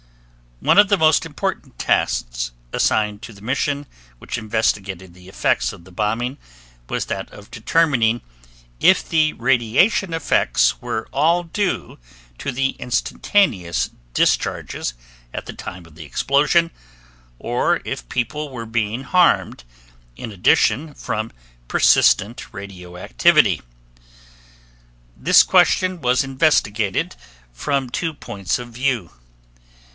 One of the most important tasks assigned to the mission which investigated the effects of the bombing was that of determining if the radiation effects were all due to the instantaneous discharges at the time of the explosion, or if people were being harmed in addition from persistent radioactivity. This question was investigated from two points of view.